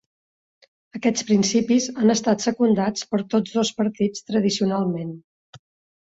Aquests principis han estat secundats per tots dos partits tradicionalment.